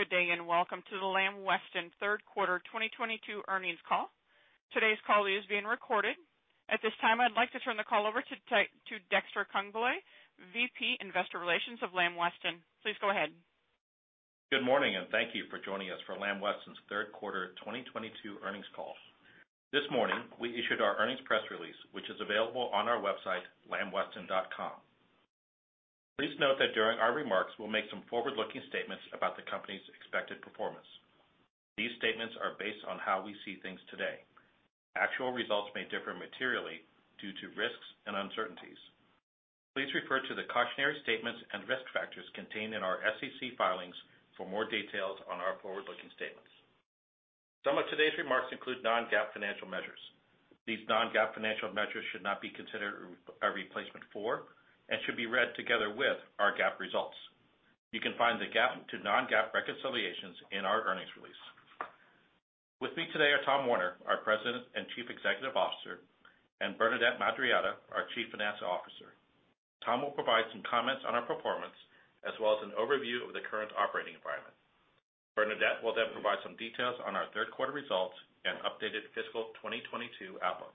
Good day, and Welcome to the Lamb Weston Third Quarter 2022 Earnings Call. Today's call is being recorded. At this time, I'd like to turn the call over to Dexter Congbalay, Vice President of Investor Relations of Lamb Weston. Please go ahead. Good morning, and thank you for joining us for Lamb Weston's Third Quarter 2022 Earnings Call. This morning, we issued our earnings press release, which is available on our website, lambweston.com. Please note that during our remarks, we'll make some forward-looking statements about the company's expected performance. These statements are based on how we see things today. Actual results may differ materially due to risks and uncertainties. Please refer to the cautionary statements and risk factors contained in our SEC filings for more details on our forward-looking statements. Some of today's remarks include non-GAAP financial measures. These non-GAAP financial measures should not be considered a replacement for and should be read together with our GAAP results. You can find the GAAP to non-GAAP reconciliations in our earnings release. With me today are Tom Werner, our President and Chief Executive Officer, and Bernadette Madarieta, our Chief Financial Officer. Tom will provide some comments on our performance, as well as an overview of the current operating environment. Bernadette will then provide some details on our third quarter results and updated fiscal 2022 outlook.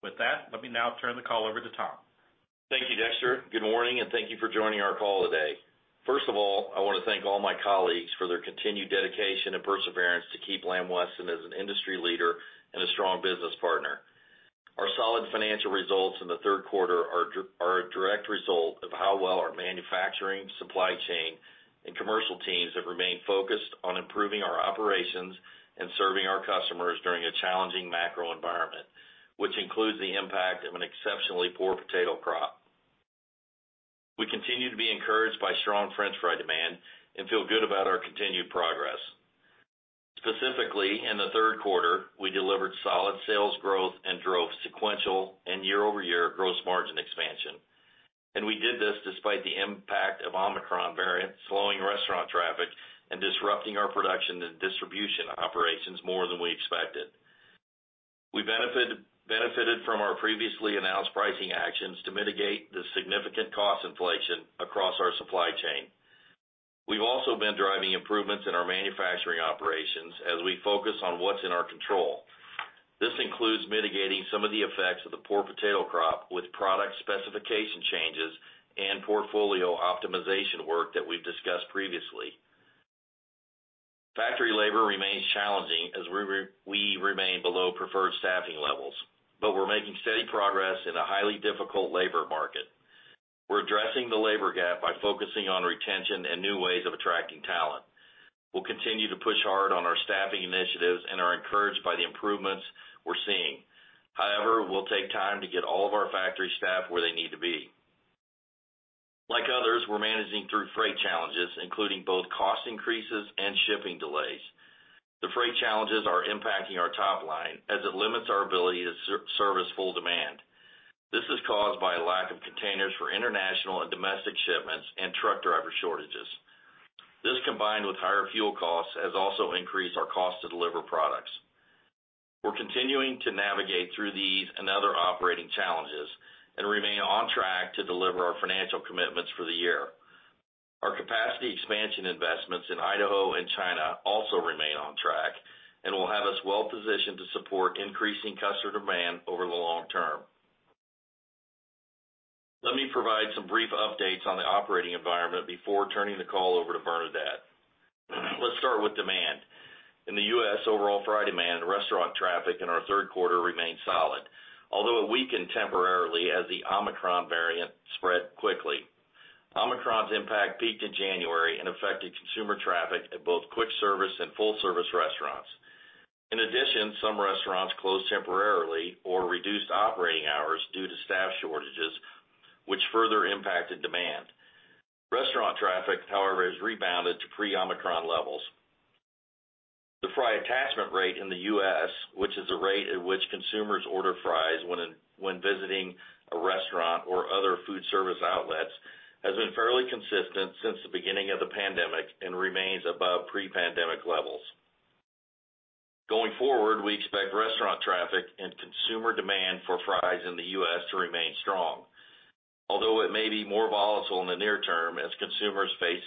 With that, let me now turn the call over to Tom. Thank you, Dexter. Good morning, and thank you for joining our call today. First of all, I wanna thank all my colleagues for their continued dedication and perseverance to keep Lamb Weston as an industry leader and a strong business partner. Our solid financial results in the third quarter are a direct result of how well our manufacturing, supply chain, and commercial teams have remained focused on improving our operations and serving our customers during a challenging macro environment, which includes the impact of an exceptionally poor potato crop. We continue to be encouraged by strong French fry demand and feel good about our continued progress. Specifically, in the third quarter, we delivered solid sales growth and drove sequential and year-over-year gross margin expansion, and we did this despite the impact of Omicron variant, slowing restaurant traffic, and disrupting our production and distribution operations more than we expected. We benefited from our previously announced pricing actions to mitigate the significant cost inflation across our supply chain. We've also been driving improvements in our manufacturing operations as we focus on what's in our control. This includes mitigating some of the effects of the poor potato crop with product specification changes and portfolio optimization work that we've discussed previously. Factory labor remains challenging as we remain below preferred staffing levels, but we're making steady progress in a highly difficult labor market. We're addressing the labor gap by focusing on retention and new ways of attracting talent. We'll continue to push hard on our staffing initiatives and are encouraged by the improvements we're seeing. However, we'll take time to get all of our factory staff where they need to be. Like others, we're managing through freight challenges, including both cost increases and shipping delays. The freight challenges are impacting our top line as it limits our ability to service full demand. This is caused by a lack of containers for international and domestic shipments and truck driver shortages. This, combined with higher fuel costs, has also increased our cost to deliver products. We're continuing to navigate through these and other operating challenges and remain on track to deliver our financial commitments for the year. Our capacity expansion investments in Idaho and China also remain on track and will have us well positioned to support increasing customer demand over the long term. Let me provide some brief updates on the operating environment before turning the call over to Bernadette. Let's start with demand. In the U.S., overall fry demand and restaurant traffic in our third quarter remained solid, although it weakened temporarily as the Omicron variant spread quickly. Omicron's impact peaked in January and affected consumer traffic at both quick-service and full-service restaurants. In addition, some restaurants closed temporarily or reduced operating hours due to staff shortages, which further impacted demand. Restaurant traffic, however, has rebounded to pre-Omicron levels. The fry attachment rate in the U.S., which is the rate at which consumers order fries when visiting a restaurant or other food service outlets, has been fairly consistent since the beginning of the pandemic and remains above pre-pandemic levels. Going forward, we expect restaurant traffic and consumer demand for fries in the U.S., to remain strong, although it may be more volatile in the near term as consumers face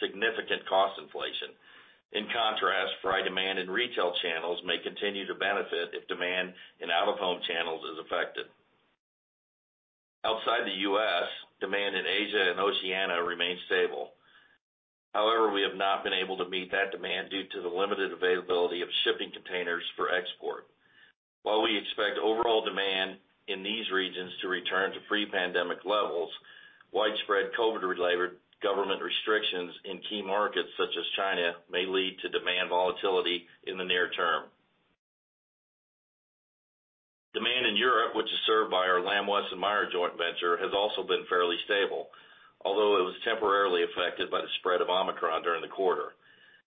significant cost inflation. In contrast, fry demand in retail channels may continue to benefit if demand in out-of-home channels is affected. Outside the U.S., demand in Asia and Oceania remains stable. However, we have not been able to meet that demand due to the limited availability of shipping containers for export. While we expect overall demand in these regions to return to pre-pandemic levels, widespread COVID-related government restrictions in key markets such as China may lead to demand volatility in the near term. Demand in Europe, which is served by our Lamb-Weston/Meijer joint venture, has also been fairly stable, although it was temporarily affected by the spread of Omicron during the quarter.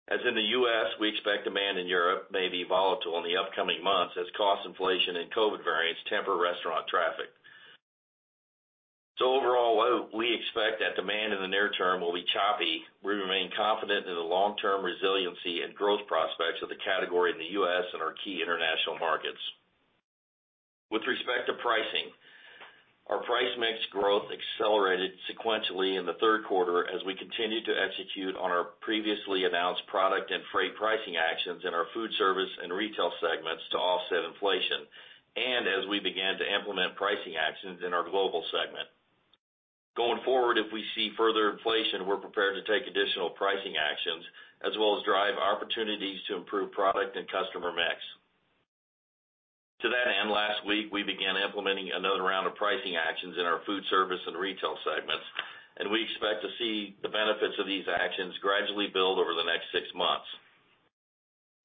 As in the U.S., we expect demand in Europe may be volatile in the upcoming months as cost inflation and COVID variants temper restaurant traffic. Overall, while we expect that demand in the near term will be choppy, we remain confident in the long-term resiliency and growth prospects of the category in the U.S., and our key international markets. With respect to pricing, our price mix growth accelerated sequentially in the third quarter as we continued to execute on our previously announced product and freight pricing actions in our food service and retail segments to offset inflation, and as we began to implement pricing actions in our global segment. Going forward, if we see further inflation, we're prepared to take additional pricing actions as well as drive opportunities to improve product and customer mix. To that end, last week, we began implementing another round of pricing actions in our food service and retail segments, and we expect to see the benefits of these actions gradually build over the next six months.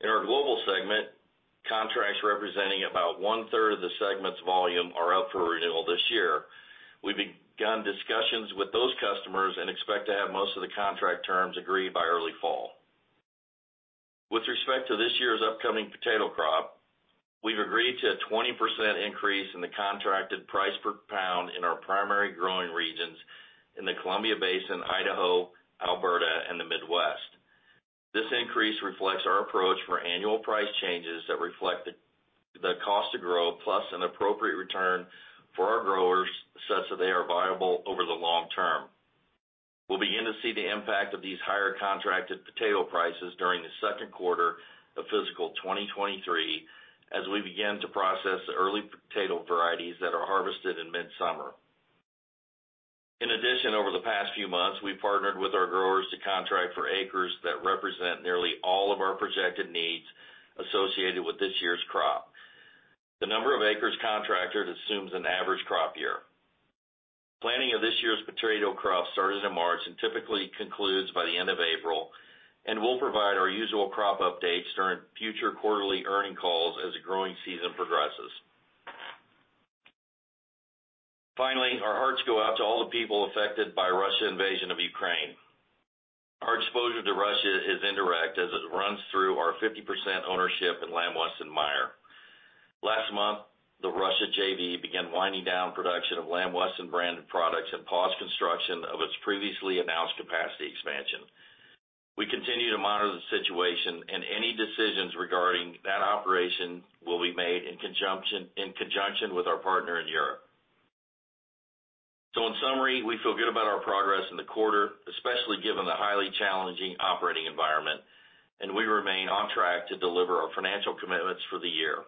In our global segment, contracts representing about 1/3 of the segment's volume are up for renewal this year. We've begun discussions with those customers and expect to have most of the contract terms agreed by early fall. With respect to this year's upcoming potato crop, we've agreed to a 20% increase in the contracted price per pound in our primary growing regions in the Columbia Basin, Idaho, Alberta, and the Midwest. This increase reflects our approach for annual price changes that reflect the cost to grow, plus an appropriate return for our growers such that they are viable over the long term. We'll begin to see the impact of these higher contracted potato prices during the second quarter of fiscal 2023, as we begin to process the early potato varieties that are harvested in mid-summer. In addition, over the past few months, we've partnered with our growers to contract for acres that represent nearly all of our projected needs associated with this year's crop. The number of acres contracted assumes an average crop year. Planting of this year's potato crop started in March and typically concludes by the end of April, and we'll provide our usual crop updates during future quarterly earnings calls as the growing season progresses. Finally, our hearts go out to all the people affected by Russia's invasion of Ukraine. Our exposure to Russia is indirect as it runs through our 50% ownership in Lamb-Weston/Meijer. Last month, the Russia JV began winding down production of Lamb Weston branded products and paused construction of its previously announced capacity expansion. We continue to monitor the situation and any decisions regarding that operation will be made in conjunction with our partner in Europe. In summary, we feel good about our progress in the quarter, especially given the highly challenging operating environment, and we remain on track to deliver our financial commitments for the year.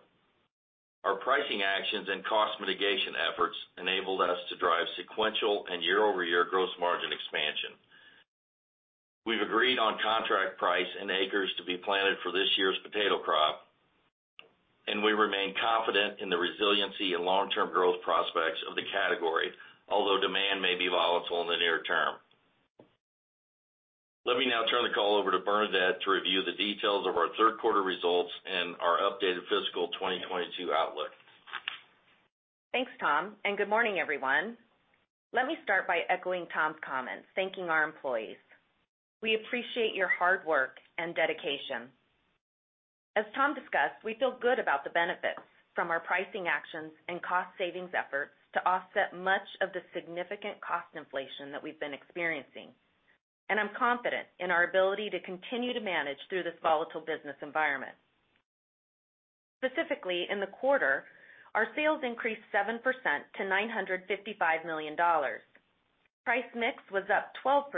Our pricing actions and cost mitigation efforts enabled us to drive sequential and year-over-year gross margin expansion. We've agreed on contract price and acres to be planted for this year's potato crop, and we remain confident in the resiliency and long-term growth prospects of the category, although demand may be volatile in the near term. Let me now turn the call over to Bernadette to review the details of our third quarter results and our updated fiscal 2022 outlook. Thanks, Tom, and good morning, everyone. Let me start by echoing Tom's comments, thanking our employees. We appreciate your hard work and dedication. As Tom discussed, we feel good about the benefits from our pricing actions and cost savings efforts to offset much of the significant cost inflation that we've been experiencing, and I'm confident in our ability to continue to manage through this volatile business environment. Specifically, in the quarter, our sales increased 7% to $955 million. Price mix was up 12%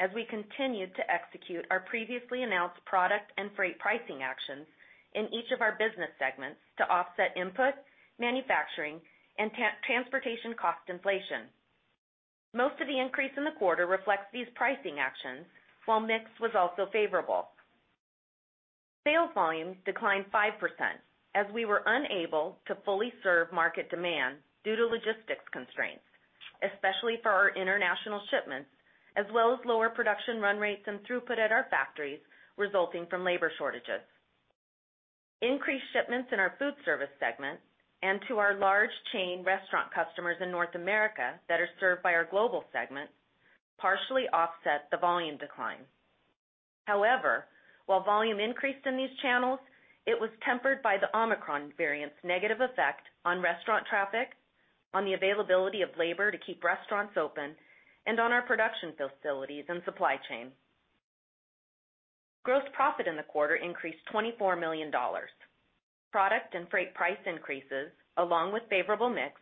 as we continued to execute our previously announced product and freight pricing actions in each of our business segments to offset input, manufacturing, and transportation cost inflation. Most of the increase in the quarter reflects these pricing actions, while mix was also favorable. Sales volume declined 5% as we were unable to fully serve market demand due to logistics constraints, especially for our international shipments, as well as lower production run rates and throughput at our factories resulting from labor shortages. Increased shipments in our food service segment and to our large chain restaurant customers in North America that are served by our global segment partially offset the volume decline. However, while volume increased in these channels, it was tempered by the Omicron variant's negative effect on restaurant traffic, on the availability of labor to keep restaurants open, and on our production facilities and supply chain. Gross profit in the quarter increased $24 million. Product and freight price increases, along with favorable mix,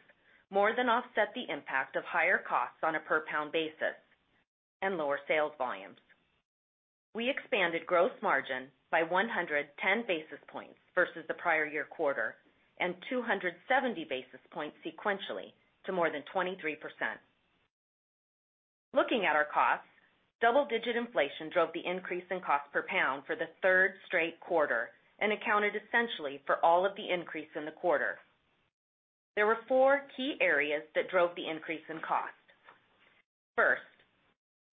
more than offset the impact of higher costs on a per pound basis and lower sales volumes. We expanded gross margin by 110 basis points versus the prior year quarter and 270 basis points sequentially to more than 23%. Looking at our costs, double-digit inflation drove the increase in cost per pound for the third straight quarter and accounted essentially for all of the increase in the quarter. There were four key areas that drove the increase in cost. First,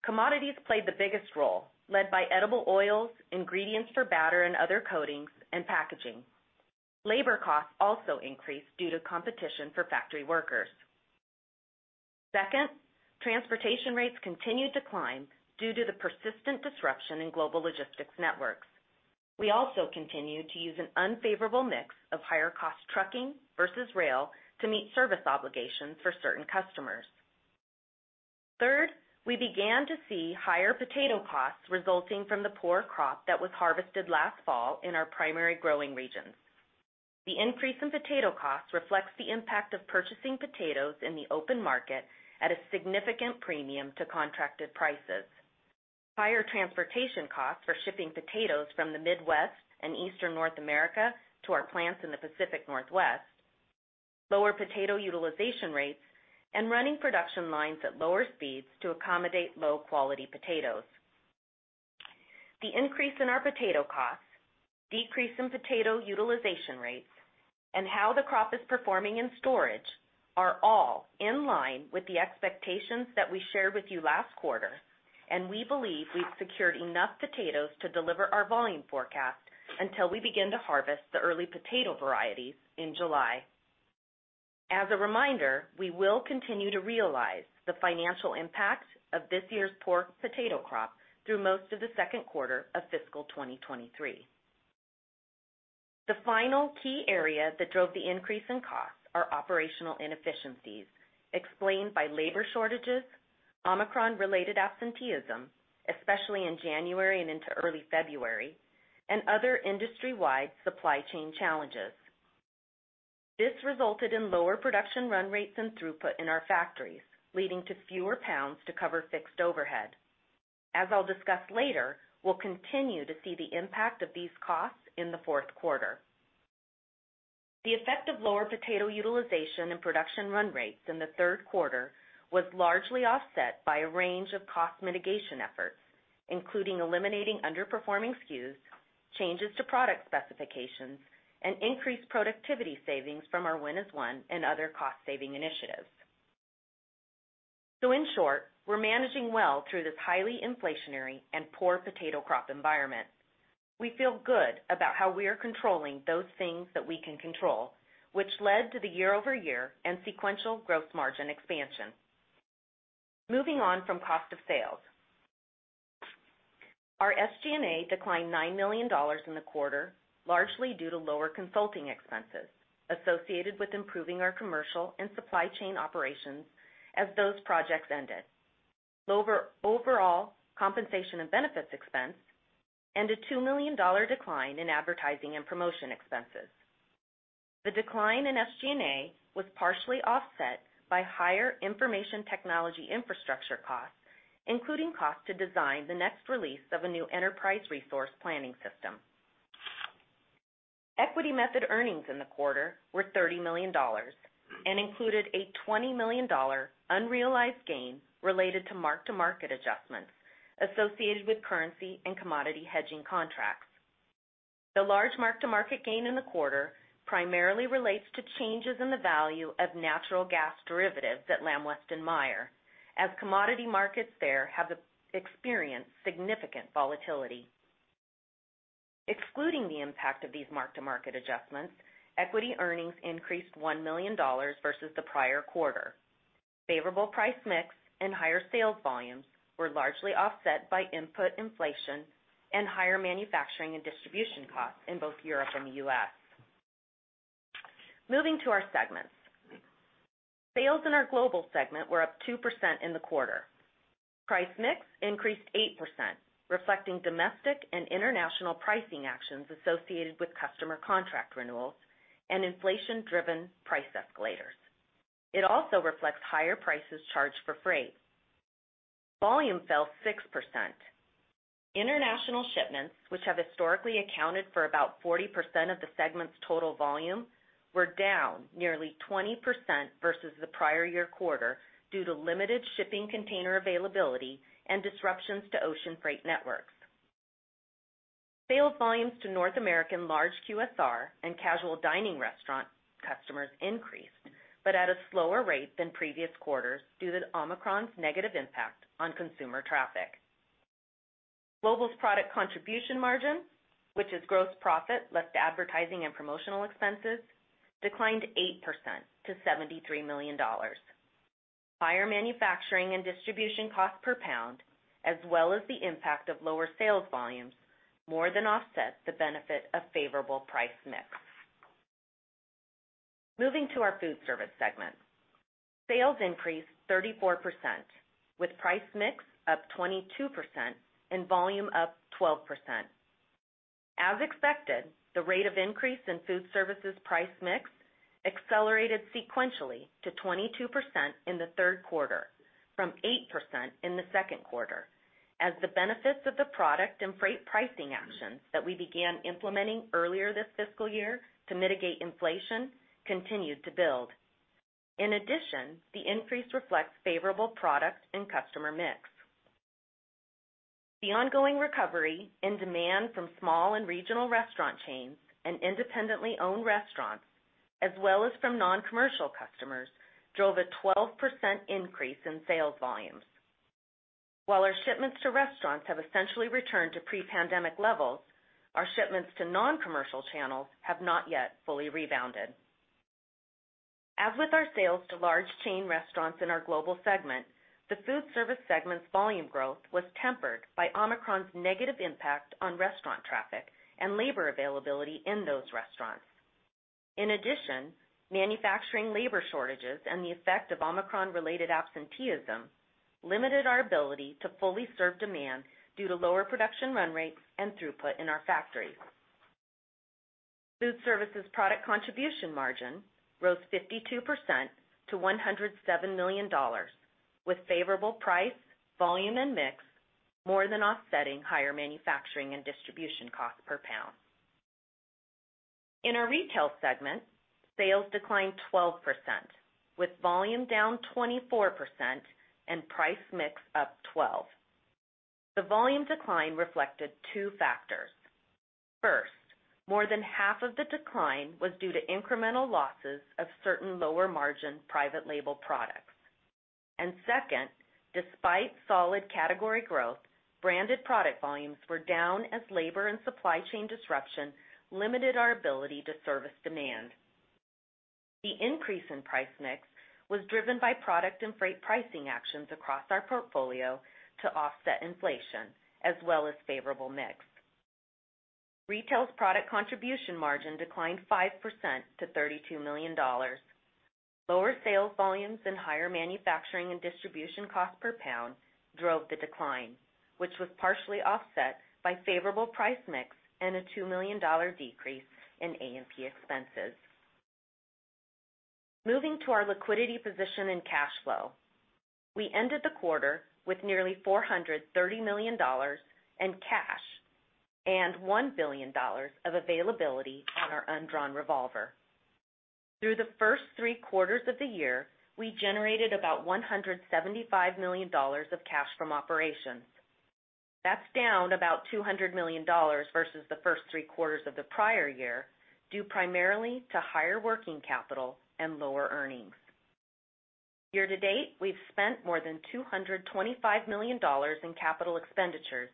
commodities played the biggest role, led by edible oils, ingredients for batter and other coatings, and packaging. Labor costs also increased due to competition for factory workers. Second, transportation rates continued to climb due to the persistent disruption in global logistics networks. We also continued to use an unfavorable mix of higher cost trucking versus rail to meet service obligations for certain customers. Third, we began to see higher potato costs resulting from the poor crop that was harvested last fall in our primary growing regions. The increase in potato costs reflects the impact of purchasing potatoes in the open market at a significant premium to contracted prices, higher transportation costs for shipping potatoes from the Midwest and Eastern North America to our plants in the Pacific Northwest, lower potato utilization rates, and running production lines at lower speeds to accommodate low-quality potatoes. The increase in our potato costs, decrease in potato utilization rates, and how the crop is performing in storage are all in line with the expectations that we shared with you last quarter, and we believe we've secured enough potatoes to deliver our volume forecast until we begin to harvest the early potato varieties in July. As a reminder, we will continue to realize the financial impact of this year's poor potato crop through most of the second quarter of fiscal 2023. The final key area that drove the increase in costs are operational inefficiencies explained by labor shortages, Omicron-related absenteeism, especially in January and into early February, and other industry-wide supply chain challenges. This resulted in lower production run rates and throughput in our factories, leading to fewer pounds to cover fixed overhead. As I'll discuss later, we'll continue to see the impact of these costs in the fourth quarter. The effect of lower potato utilization and production run rates in the third quarter was largely offset by a range of cost mitigation efforts, including eliminating underperforming SKUs, changes to product specifications, and increased productivity savings from our Win as One and other cost-saving initiatives. In short, we're managing well through this highly inflationary and poor potato crop environment. We feel good about how we are controlling those things that we can control, which led to the year-over-year and sequential gross margin expansion. Moving on from cost of sales. Our SG&A declined $9 million in the quarter, largely due to lower consulting expenses associated with improving our commercial and supply chain operations as those projects ended. Lower overall compensation and benefits expense and a $2 million decline in advertising and promotion expenses. The decline in SG&A was partially offset by higher information technology infrastructure costs, including costs to design the next release of a new enterprise resource planning system. Equity method earnings in the quarter were $30 million and included a $20 million unrealized gain related to mark-to-market adjustments associated with currency and commodity hedging contracts. The large mark-to-market gain in the quarter primarily relates to changes in the value of natural gas derivatives at Lamb-Weston/Meijer, as commodity markets there have experienced significant volatility. Excluding the impact of these mark-to-market adjustments, equity earnings increased $1 million versus the prior quarter. Favorable price mix and higher sales volumes were largely offset by input inflation and higher manufacturing and distribution costs in both Europe and the U.S. Moving to our segments. Sales in our Global segment were up 2% in the quarter. Price mix increased 8%, reflecting domestic and international pricing actions associated with customer contract renewals and inflation-driven price escalators. It also reflects higher prices charged for freight. Volume fell 6%. International shipments, which have historically accounted for about 40% of the segment's total volume, were down nearly 20% versus the prior year quarter due to limited shipping container availability and disruptions to ocean freight networks. Sales volumes to North American large QSR and casual dining restaurant customers increased but at a slower rate than previous quarters due to the Omicron's negative impact on consumer traffic. Global's product contribution margin, which is gross profit less advertising and promotional expenses, declined 8% to $73 million. Higher manufacturing and distribution cost per pound as well as the impact of lower sales volumes more than offset the benefit of favorable price/mix. Moving to our Foodservice segment. Sales increased 34%, with price/mix up 22% and volume up 12%. As expected, the rate of increase in Foodservice price/mix accelerated sequentially to 22% in the third quarter from 8% in the second quarter as the benefits of the product and freight pricing actions that we began implementing earlier this fiscal year to mitigate inflation continued to build. In addition, the increase reflects favorable product and customer mix. The ongoing recovery in demand from small and regional restaurant chains and independently owned restaurants, as well as from non-commercial customers, drove a 12% increase in sales volumes. While our shipments to restaurants have essentially returned to pre-pandemic levels, our shipments to non-commercial channels have not yet fully rebounded. As with our sales to large chain restaurants in our global segment, the food service segment's volume growth was tempered by Omicron's negative impact on restaurant traffic and labor availability in those restaurants. In addition, manufacturing labor shortages and the effect of Omicron related absenteeism limited our ability to fully serve demand due to lower production run rates and throughput in our factories. Food services product contribution margin rose 52% to $107 million, with favorable price, volume and mix more than offsetting higher manufacturing and distribution costs per pound. In our retail segment, sales declined 12%, with volume down 24% and price mix up 12. The volume decline reflected two factors. First, more than half of the decline was due to incremental losses of certain lower margin private label products. Second, despite solid category growth, branded product volumes were down as labor and supply chain disruption limited our ability to service demand. The increase in price mix was driven by product and freight pricing actions across our portfolio to offset inflation as well as favorable mix. Retail's product contribution margin declined 5% to $32 million. Lower sales volumes and higher manufacturing and distribution costs per pound drove the decline, which was partially offset by favorable price mix and a $2 million decrease in A&P expenses. Moving to our liquidity position and cash flow. We ended the quarter with nearly $430 million in cash and $1 billion of availability on our undrawn revolver. Through the first three quarters of the year, we generated about $175 million of cash from operations. That's down about $200 million versus the first three quarters of the prior year, due primarily to higher working capital and lower earnings. Year to date, we've spent more than $225 million in capital expenditures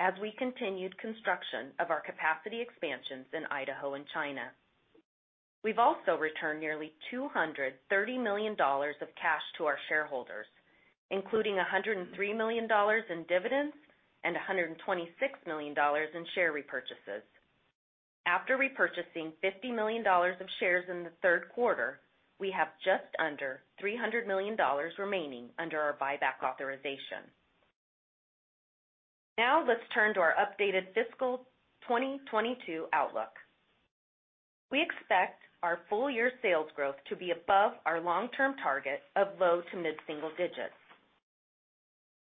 as we continued construction of our capacity expansions in Idaho and China. We've also returned nearly $230 million of cash to our shareholders, including $103 million in dividends and $126 million in share repurchases. After repurchasing $50 million of shares in the third quarter, we have just under $300 million remaining under our buyback authorization. Now let's turn to our updated fiscal 2022 outlook. We expect our full year sales growth to be above our long term target of low to mid single digits.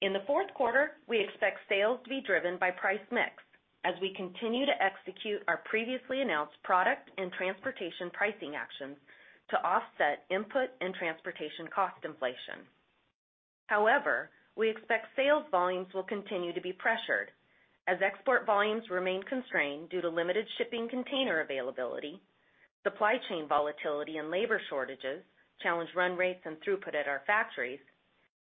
In the fourth quarter, we expect sales to be driven by price mix as we continue to execute our previously announced product and transportation pricing actions to offset input and transportation cost inflation. However, we expect sales volumes will continue to be pressured as export volumes remain constrained due to limited shipping container availability, supply chain volatility and labor shortages challenge run rates and throughput at our factories,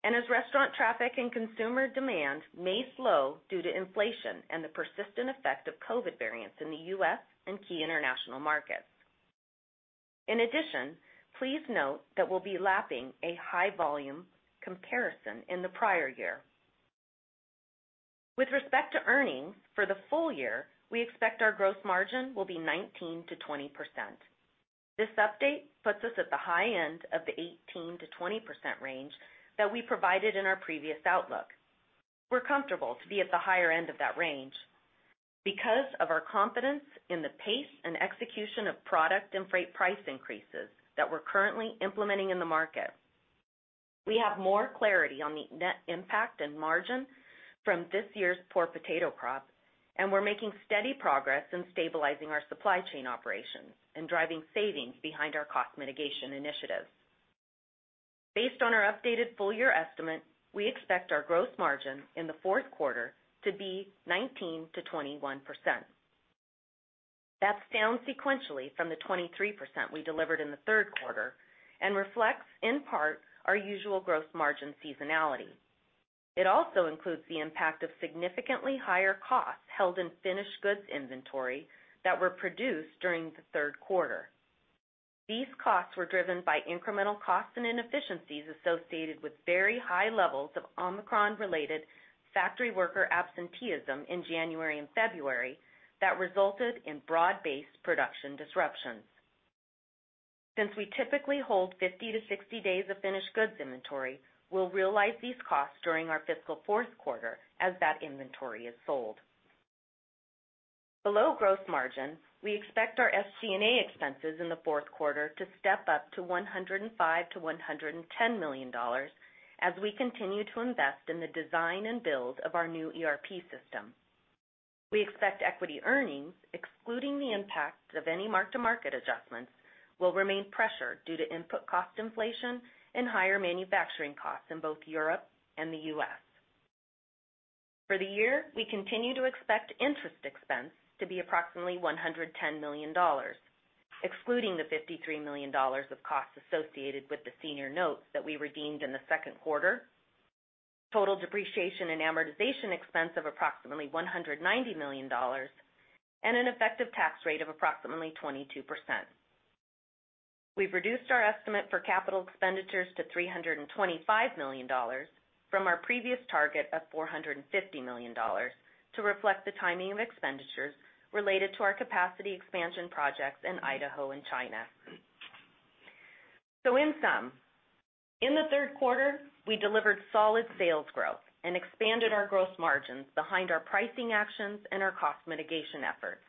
and as restaurant traffic and consumer demand may slow due to inflation and the persistent effect of COVID variants in the U.S., and key international markets. In addition, please note that we'll be lapping a high volume comparison in the prior year. With respect to earnings for the full year, we expect our gross margin will be 19%-20%. This update puts us at the high end of the 18%-20% range that we provided in our previous outlook. We're comfortable to be at the higher end of that range because of our confidence in the pace and execution of product and freight price increases that we're currently implementing in the market. We have more clarity on the net impact and margin from this year's poor potato crop, and we're making steady progress in stabilizing our supply chain operations and driving savings behind our cost mitigation initiatives. Based on our updated full year estimate, we expect our gross margin in the fourth quarter to be 19%-21%. That's down sequentially from the 23% we delivered in the third quarter and reflects, in part, our usual gross margin seasonality. It also includes the impact of significantly higher costs held in finished goods inventory that were produced during the third quarter. These costs were driven by incremental costs and inefficiencies associated with very high levels of Omicron-related factory worker absenteeism in January and February that resulted in broad-based production disruptions. Since we typically hold 50-60 days of finished goods inventory, we'll realize these costs during our fiscal fourth quarter as that inventory is sold. Below gross margin, we expect our SG&A expenses in the fourth quarter to step up to $105 million-$110 million as we continue to invest in the design and build of our new ERP system. We expect equity earnings, excluding the impact of any mark-to-market adjustments, will remain pressured due to input cost inflation and higher manufacturing costs in both Europe and the U.S. For the year, we continue to expect interest expense to be approximately $110 million, excluding the $53 million of costs associated with the senior notes that we redeemed in the second quarter, total depreciation and amortization expense of approximately $190 million, and an effective tax rate of approximately 22%. We've reduced our estimate for capital expenditures to $325 million from our previous target of $450 million to reflect the timing of expenditures related to our capacity expansion projects in Idaho and China. In sum, in the third quarter, we delivered solid sales growth and expanded our gross margins behind our pricing actions and our cost mitigation efforts.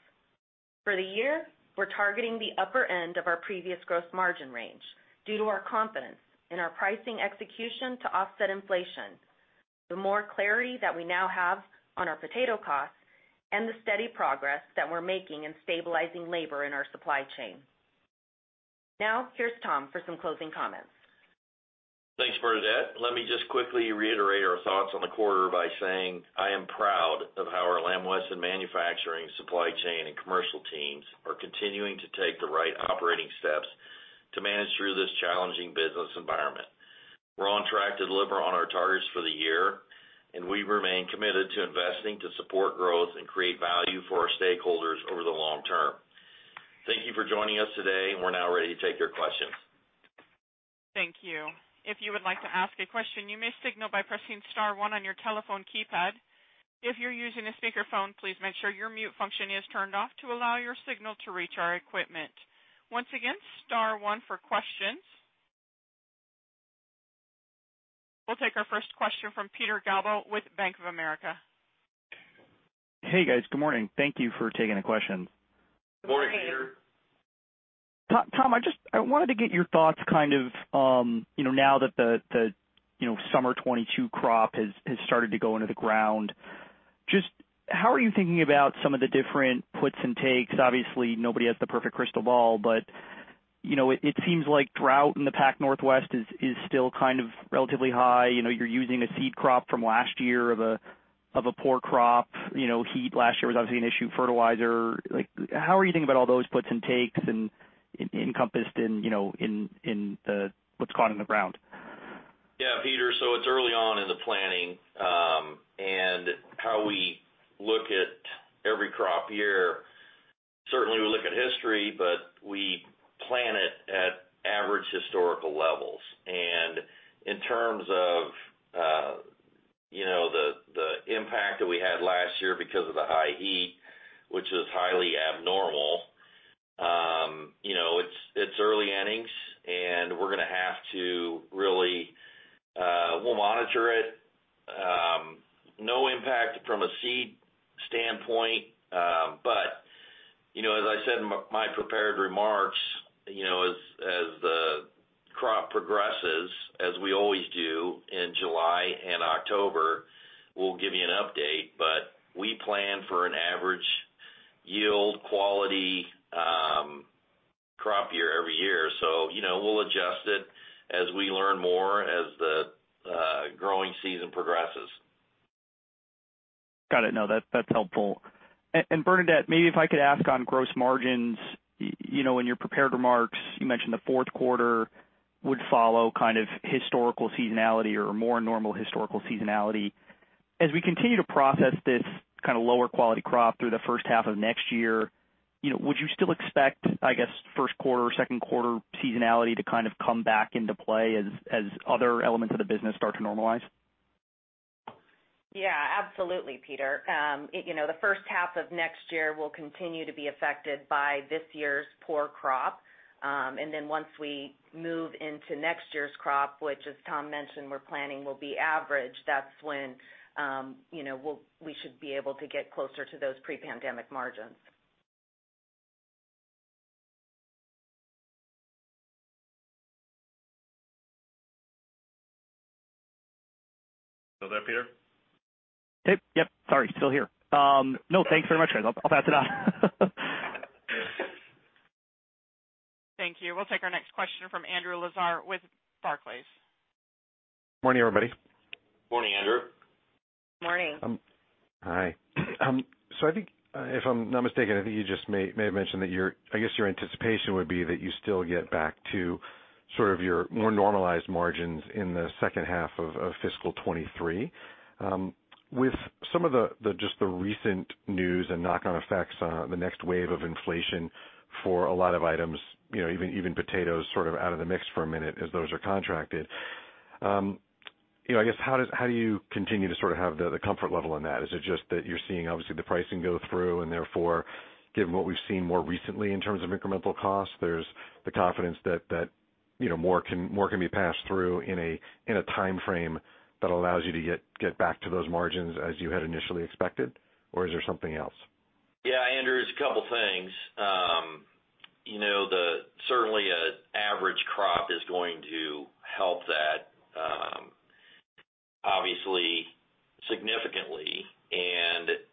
For the year, we're targeting the upper end of our previous gross margin range due to our confidence in our pricing execution to offset inflation, the more clarity that we now have on our potato costs, and the steady progress that we're making in stabilizing labor in our supply chain. Now, here's Tom for some closing comments. Thanks, Bernadette. Let me just quickly reiterate our thoughts on the quarter by saying I am proud of how our Lamb Weston manufacturing, supply chain, and commercial teams are continuing to take the right operating steps to manage through this challenging business environment. We're on track to deliver on our targets for the year, and we remain committed to investing to support growth and create value for our stakeholders over the long term. Thank you for joining us today, and we're now ready to take your questions. Thank you. If you would like to ask a question, you may signal by pressing star one on your telephone keypad. If you're using a speakerphone, please make sure your mute function is turned off to allow your signal to reach our equipment. Once again, star one for questions. We'll take our first question from Peter Galbo with Bank of America. Hey, guys. Good morning. Thank you for taking the questions. Good morning, Peter. Morning. Tom, I wanted to get your thoughts kind of, you know, now that the summer 2022 crop has started to go into the ground. Just how are you thinking about some of the different puts and takes? Obviously, nobody has the perfect crystal ball, but you know, it seems like drought in the Pacific Northwest is still kind of relatively high. You know, you're using a seed crop from last year of a poor crop. You know, heat last year was obviously an issue, fertilizer. Like, how are you thinking about all those puts and takes and encompassed in you know in the what's in the ground? Yeah, Peter, it's early on in the planning and how we look at every crop year. Certainly we look at history, but we plan it at average historical levels. In terms of you know the impact that we had last year because of the high heat, which is highly abnormal, you know, it's early innings, and we'll monitor it. No impact from a seed standpoint, but you know, as I said in my prepared remarks, you know, as the crop progresses, as we always do in July and October, we'll give you an update. We plan for an average yield quality crop year every year. You know, we'll adjust it as we learn more as the growing season progresses. Got it. No, that's helpful. And Bernadette, maybe if I could ask on gross margins. You know, in your prepared remarks, you mentioned the fourth quarter would follow kind of historical seasonality or more normal historical seasonality. As we continue to process this kind of lower quality crop through the first half of next year, you know, would you still expect, I guess, first quarter or second quarter seasonality to kind of come back into play as other elements of the business start to normalize? Yeah, absolutely, Peter. You know, the first half of next year will continue to be affected by this year's poor crop. Once we move into next year's crop, which, as Tom mentioned, we're planning will be average, that's when, you know, we should be able to get closer to those pre-pandemic margins. Still there, Peter? Yep, yep. Sorry. Still here. No, thanks very much, guys. I'll pass it on. Thank you. We'll take our next question from Andrew Lazar with Barclays. Morning, everybody. Morning, Andrew. Morning. Hi. I think, if I'm not mistaken, I think you just may have mentioned that your, I guess, your anticipation would be that you still get back to sort of your more normalized margins in the second half of fiscal 2023. With some of the just the recent news and knock-on effects on the next wave of inflation for a lot of items, you know, even potatoes sort of out of the mix for a minute as those are contracted, you know, I guess, how do you continue to sort of have the comfort level in that? Is it just that you're seeing obviously the pricing go through and therefore, given what we've seen more recently in terms of incremental costs, there's the confidence that, you know, more can be passed through in a timeframe that allows you to get back to those margins as you had initially expected? Or is there something else? Yeah, Andrew, it's a couple things. You know, certainly, an average crop is going to help that, obviously significantly.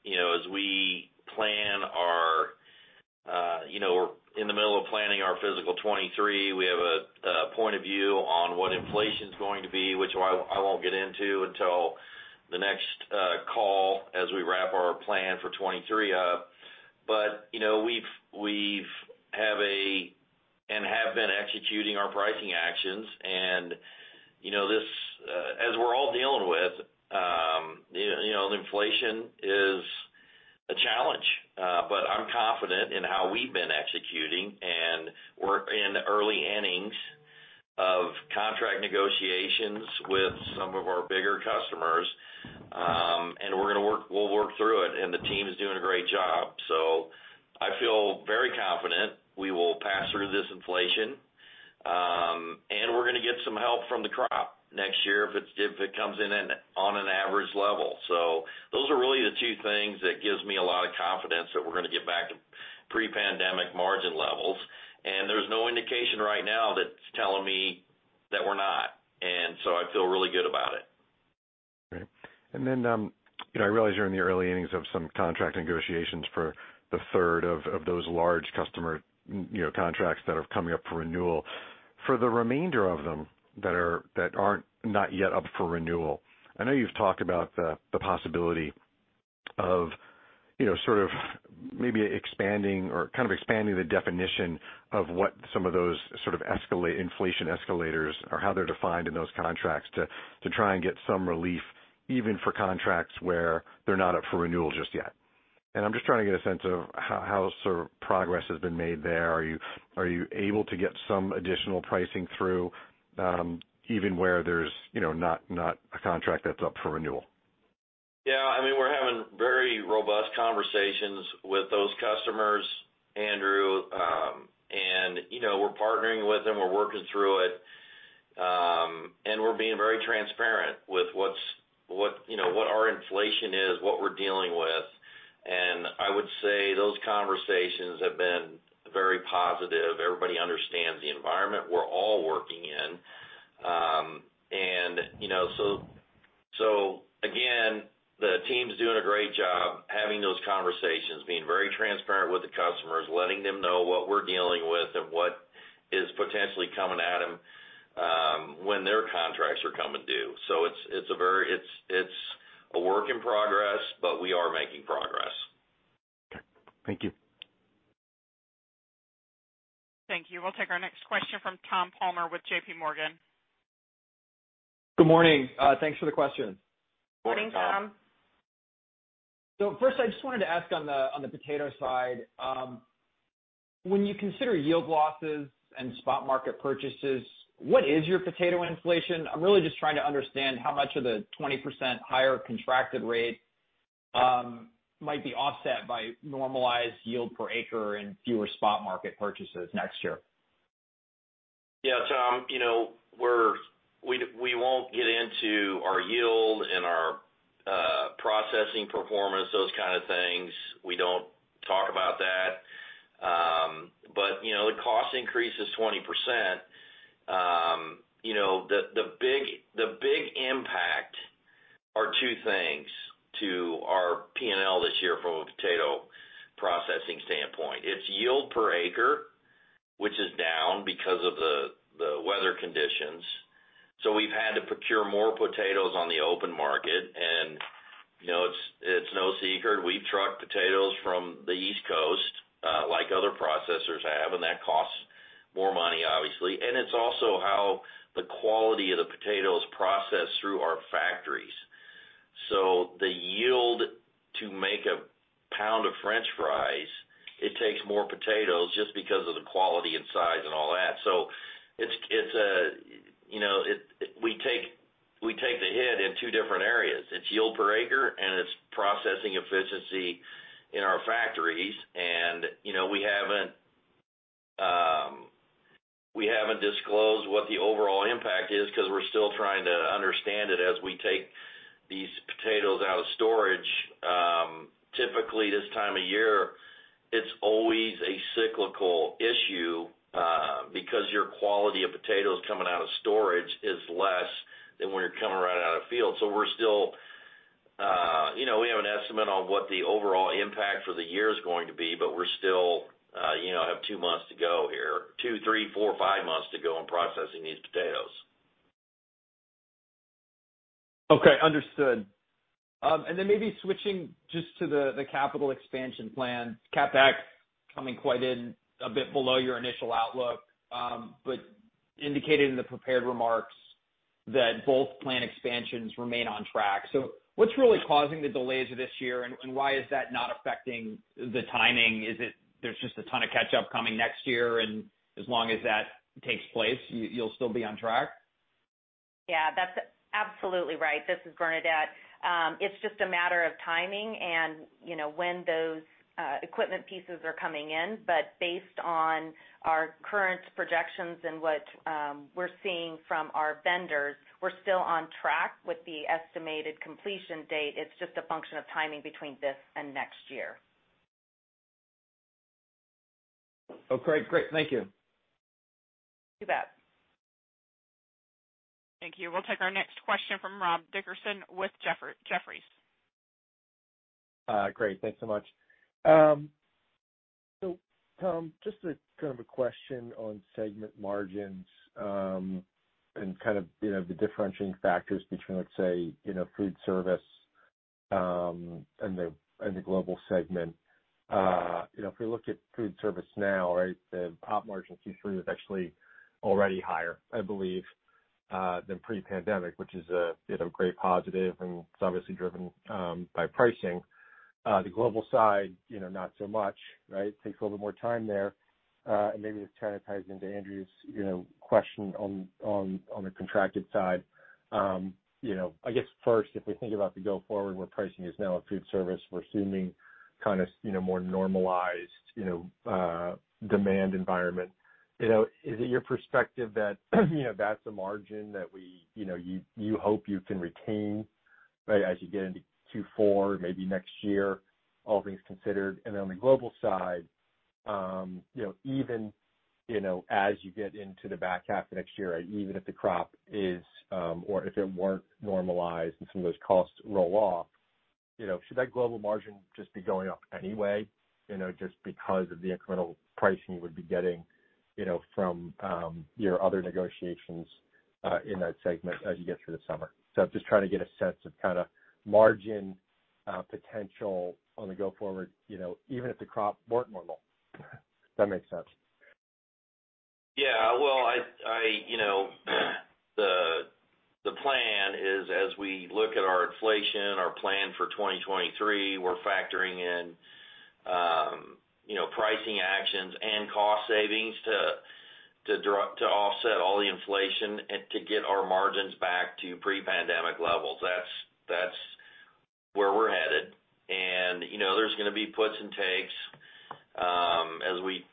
You know, as we plan our, you know, we're in the middle of planning our fiscal 2023. We have a point of view on what inflation's going to be, which I won't get into until the next call as we wrap our plan for 2023 up. You know, we have, and have been executing our pricing actions. You know, this, as we're all dealing with, you know, inflation is. I'm confident in how we've been executing, and we're in early innings of contract negotiations with some of our bigger customers. We'll work through it, and the team is doing a great job. I feel very confident we will pass through this inflation, and we're gonna get some help from the crop next year if it comes in on an average level. Those are really the two things that gives me a lot of confidence that we're gonna get back to pre-pandemic margin levels. There's no indication right now that's telling me that we're not. I feel really good about it. Great. You know, I realize you're in the early innings of some contract negotiations for the third of those large customer, you know, contracts that are coming up for renewal. For the remainder of them that aren't not yet up for renewal, I know you've talked about the possibility of, you know, sort of maybe expanding the definition of what some of those sort of inflation escalators or how they're defined in those contracts to try and get some relief, even for contracts where they're not up for renewal just yet. I'm just trying to get a sense of how sort of progress has been made there. Are you able to get some additional pricing through, even where there's, you know, not a contract that's up for renewal? Yeah. I mean, we're having very robust conversations with those customers, Andrew. You know, we're partnering with them, we're working through it. We're being very transparent with what, you know, what our inflation is, what we're dealing with. I would say those conversations have been very positive. Everybody understands the environment we're all working in. You know, again, the team's doing a great job having those conversations, being very transparent with the customers, letting them know what we're dealing with and what is potentially coming at them, when their contracts are coming due. It's a work in progress, but we are making progress. Okay. Thank you. Thank you. We'll take our next question from Tom Palmer with J.P. Morgan. Good morning. Thanks for the question. Morning, Tom. First, I just wanted to ask on the potato side, when you consider yield losses and spot market purchases, what is your potato inflation? I'm really just trying to understand how much of the 20% higher contracted rate might be offset by normalized yield per acre and fewer spot market purchases next year. Yeah, Tom, you know, we won't get into our yield and our processing performance, those kind of things. We don't talk about that. You know, the cost increase is 20%. You know, the big impact are two things to our P&L this year from a potato processing standpoint. It's yield per acre, which is down because of the weather conditions. We've had to procure more potatoes on the open market. You know, it's no secret we truck potatoes from the East Coast, like other processors have, and that costs more money, obviously. It's also how the quality of the potato is processed through our factories. The yield to make a pound of french fries, it takes more potatoes just because of the quality and size and all that. It's a you know we take the hit in two different areas. It's yield per acre, and it's processing efficiency in our factories. You know, we haven't disclosed what the overall impact is because we're still trying to understand it as we take these potatoes out of storage. Typically this time of year, it's always a cyclical issue because your quality of potatoes coming out of storage is less than when you're coming right out of field. We're still you know we have an estimate on what the overall impact for the year is going to be, but we're still you know have 2 months to go here, 2, 3, 4, 5 months to go in processing these potatoes. Okay. Understood. Maybe switching just to the capital expansion plan, CapEx coming quite a bit below your initial outlook, indicated in the prepared remarks that both plant expansions remain on track. What's really causing the delays this year, and why is that not affecting the timing? Is it there's just a ton of catch-up coming next year, and as long as that takes place, you'll still be on track? Yeah, that's absolutely right. This is Bernadette. It's just a matter of timing and, you know, when those equipment pieces are coming in. Based on our current projections and what we're seeing from our vendors, we're still on track with the estimated completion date. It's just a function of timing between this and next year. Okay, great. Thank you. You bet. Thank you. We'll take our next question from Robert Dickerson with Jefferies. Great. Thanks so much. Tom, just a kind of a question on segment margins, and kind of, you know, the differentiating factors between, let's say, you know, food service, and the global segment. You know, if we look at food service now, right, the op margin Q3 was actually already higher, I believe, than pre-pandemic, which is, you know, a great positive, and it's obviously driven by pricing. The global side, you know, not so much, right? Takes a little bit more time there. Maybe this kind of ties into Andrew's, you know, question on the contracted side. You know, I guess first, if we think about the go forward, where pricing is now in food service, we're assuming kind of, you know, more normalized, you know, demand environment. You know, is it your perspective that, you know, that's the margin that we, you know, you hope you can retain, right? As you get into two, four, maybe next year, all things considered. Then on the global side, you know, even, you know, as you get into the back half of next year, even if the crop is, or if it weren't normalized and some of those costs roll off, you know, should that global margin just be going up anyway, you know, just because of the incremental pricing you would be getting, you know, from your other negotiations, in that segment as you get through the summer? Just trying to get a sense of kind of margin potential on the go forward, you know, even if the crop weren't normal. If that makes sense. Yeah. Well, I you know, the plan is as we look at our inflation, our plan for 2023, we're factoring in you know, pricing actions and cost savings to offset all the inflation and to get our margins back to pre-pandemic levels. That's where we're headed. You know, there's gonna be puts and takes as we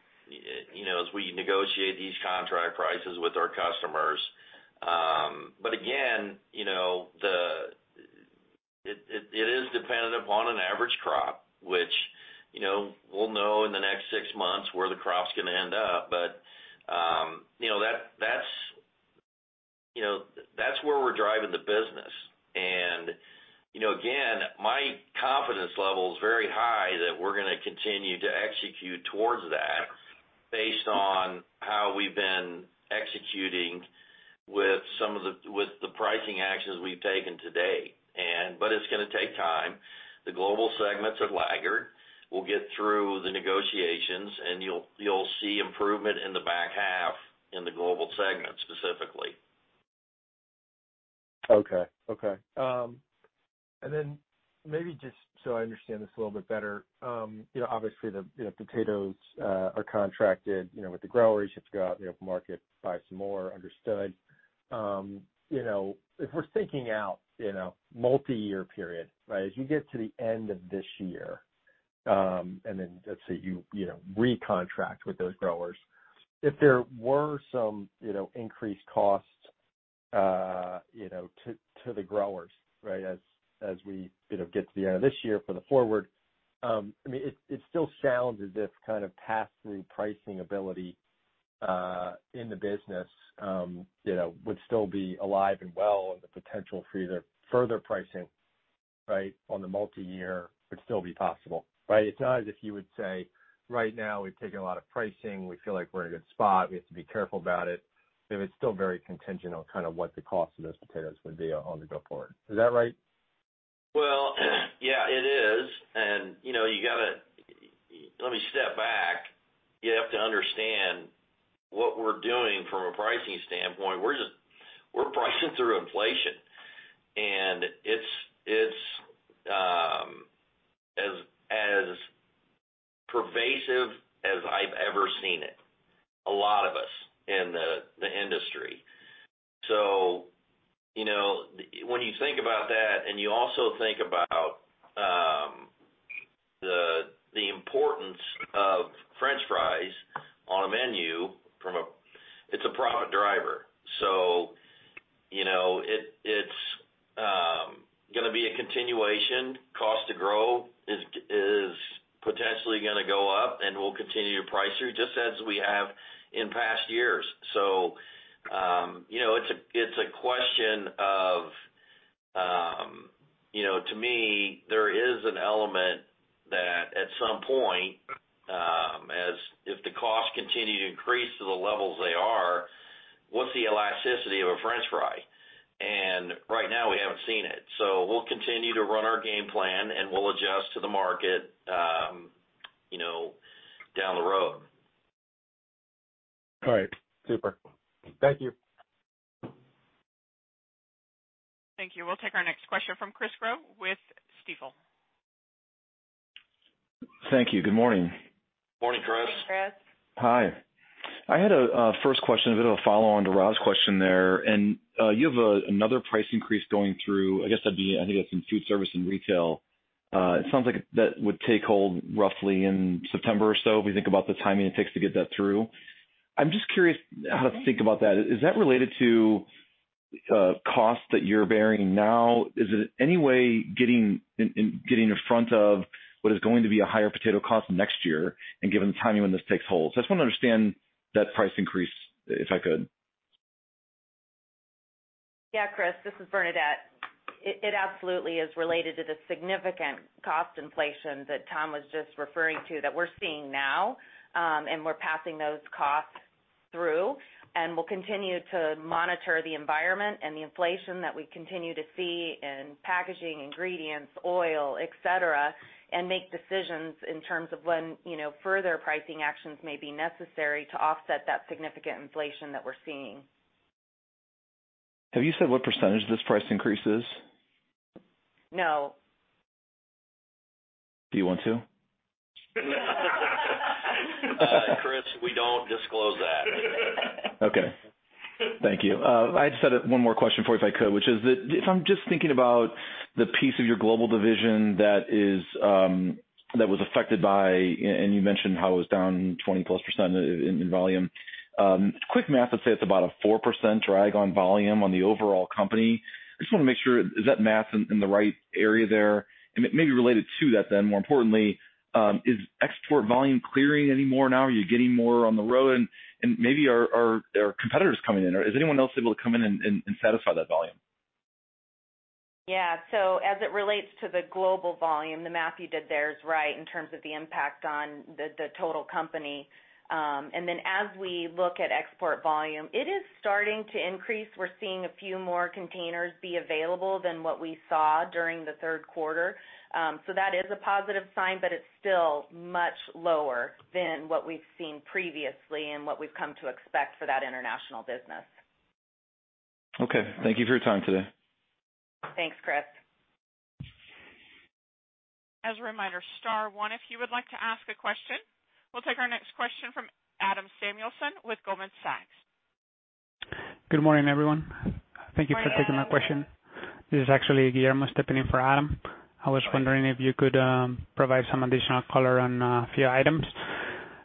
you know, as we negotiate these contract prices with our customers. Again, you know, it is dependent upon an average crop, which you know, we'll know in the next six months where the crop's gonna end up. You know, that's where we're driving the business. You know, again my confidence level is very high that we're gonna continue to execute towards that based on how we've been executing with the pricing actions we've taken to date. But it's gonna take time. The global segments have lagged. We'll get through the negotiations, and you'll see improvement in the back half in the global segment, specifically. Okay, Okay. Maybe just so I understand this a little bit better, you know obviously, the you know, potatoes are contracted, you know, with the growers. You have to go out in the open market, buy some more. Understood. You know, if we're thinking out in a multiyear period, right? As you get to the end of this year, let's say you know, recontract with those growers. If there were some, you know increased costs, you know, to the growers, right, as we, you know, get to the end of this year for the forward, I mean, it still sounds as if kind of pass-through pricing ability in the business, you know, would still be alive and well, and the potential for either further pricing, right, on the multiyear would still be possible, right? It's not as if you would say, "Right now, we've taken a lot of pricing. We feel like we're in a good spot. We have to be careful about it." I mean, it's still very contingent on kind of what the cost of those potatoes would be on the go forward. Is that right? Well, yeah it is. You know, let me step back. You have to understand what we're doing from a pricing standpoint. We're pricing through inflation, and it's as pervasive as I've ever seen it, a lot of us in the industry. You know, when you think about that and you also think about the importance of french fries on a menu. It's a profit driver. You know, it's gonna be a continuation. Cost to grow is potentially gonna go up, and we'll continue to price through just as we have in past years. You know, it's a question of, you know, to me, there is an element that at some point, as if the costs continue to increase to the levels they are, what's the elasticity of a French fry? Right now, we haven't seen it. We'll continue to run our game plan, and we'll adjust to the market, you know, down the road. All right. Super. Thank you. Thank you. We'll take our next question from Chris Growe with Stifel. Thank you. Good morning. Morning, Chris. Morning, Chris. Hi. I had a first question, a bit of a follow-on to Rob's question there. You have another price increase going through, I guess that'd be, I think that's in food service and retail. It sounds like that would take hold roughly in September or so if we think about the timing it takes to get that through. I'm just curious how to think about that. Is that related to costs that you're bearing now? Is it any way getting in front of what is going to be a higher potato cost next year and given the timing when this takes hold? I just wanna understand that price increase, if I could. Yeah, Chris, this is Bernadette. It absolutely is related to the significant cost inflation that Tom was just referring to that we're seeing now. We're passing those costs through, and we'll continue to monitor the environment and the inflation that we continue to see in packaging, ingredients, oil, et cetera, and make decisions in terms of when, you know, further pricing actions may be necessary to offset that significant inflation that we're seeing. Have you said what percentage this price increase is? No. Do you want to? Chris, we don't disclose that. Okay. Thank you. I just had one more question for you, if I could, which is that if I'm just thinking about the piece of your global division that was affected by, and you mentioned how it was down 20%+ in volume. Quick math, let's say it's about a 4% drag on volume on the overall company. I just wanna make sure, is that math in the right area there? Maybe related to that then, more importantly, is export volume clearing any more now? Are you getting more on the road? Maybe are competitors coming in, or is anyone else able to come in and satisfy that volume? Yeah. As it relates to the global volume, the math you did there is right in terms of the impact on the total company. As we look at export volume, it is starting to increase. We're seeing a few more containers be available than what we saw during the third quarter. That is a positive sign, but it's still much lower than what we've seen previously and what we've come to expect for that international business. Okay. Thank you for your time today. Thanks, Chris. As a reminder, star one if you would like to ask a question. We'll take our next question from Adam Samuelson with Goldman Sachs. Good morning, everyone. Thank you for taking my question. This is actually Guillermo stepping in for Adam. I was wondering if you could provide some additional color on a few items.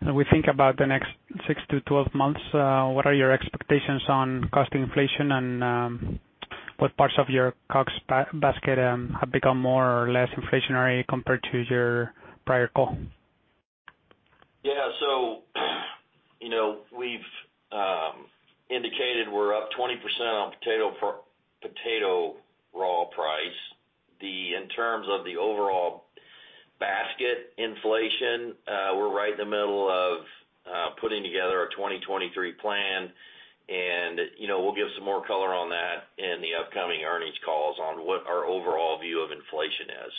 When we think about the next six-12 months, what are your expectations on cost inflation and what parts of your cost basket have become more or less inflationary compared to your prior call? You know, we've indicated we're up 20% on potato raw price. In terms of the overall basket inflation, we're right in the middle of putting together a 2023 plan. You know, we'll give some more color on that in the upcoming earnings calls on what our overall view of inflation is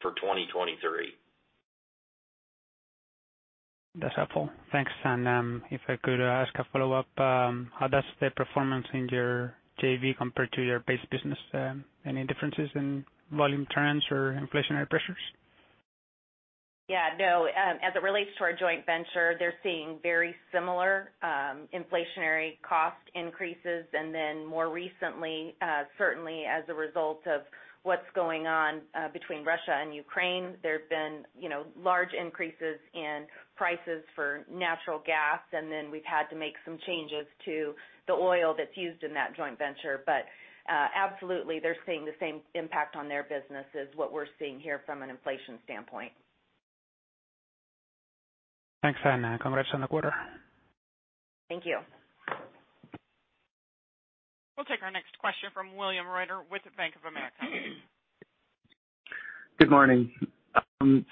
for 2023. That's helpful. Thanks. If I could ask a follow-up, how does the performance in your JV compare to your base business? Any differences in volume trends or inflationary pressures? Yeah, no. As it relates to our joint venture, they're seeing very similar inflationary cost increases. Then more recently, certainly as a result of what's going on between Russia and Ukraine, there have been, you know, large increases in prices for natural gas, and then we've had to make some changes to the oil that's used in that joint venture. Absolutely, they're seeing the same impact on their business as what we're seeing here from an inflation standpoint. Thanks, and congrats on the quarter. Thank you. We'll take our next question from William Reuter with Bank of America. Good morning.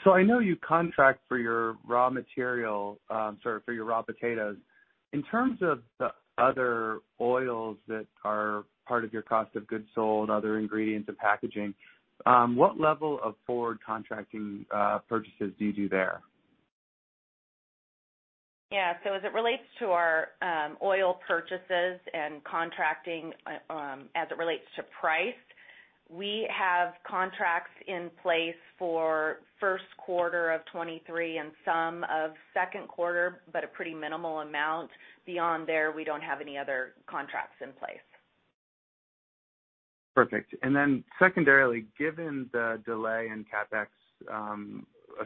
I know you contract for your raw potatoes. In terms of the other oils that are part of your cost of goods sold, other ingredients, and packaging, what level of forward contracting purchases do you do there? Yeah. As it relates to our oil purchases and contracting, as it relates to price, we have contracts in place for first quarter of 2023 and some of second quarter, but a pretty minimal amount. Beyond there, we don't have any other contracts in place. Perfect. Secondarily, given the delay in CapEx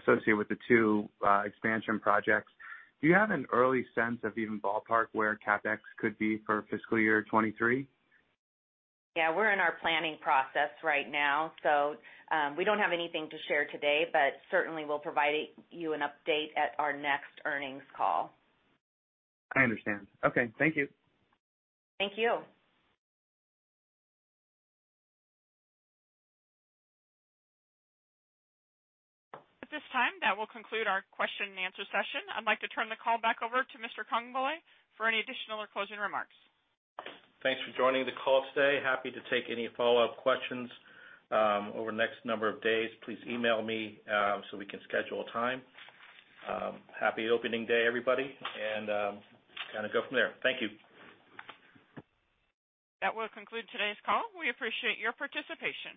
associated with the two expansion projects, do you have an early sense of even ballpark where CapEx could be for fiscal year 2023? Yeah. We're in our planning process right now, so, we don't have anything to share today, but certainly we'll provide you an update at our next earnings call. I understand. Okay, thank you. Thank you. At this time, that will conclude our question and answer session. I'd like to turn the call back over to Mr. Congbalay for any additional or closing remarks. Thanks for joining the call today. Happy to take any follow-up questions over the next number of days. Please email me so we can schedule a time. Happy opening day, everybody, and kinda go from there. Thank you. That will conclude today's call. We appreciate your participation.